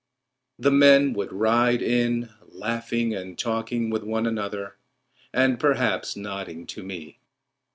The men would ride in, laughing and talking with one another, and perhaps nodding to me.